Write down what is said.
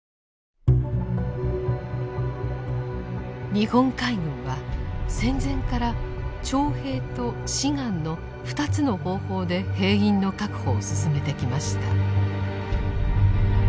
日本海軍は戦前から「徴兵」と「志願」の２つの方法で兵員の確保を進めてきました。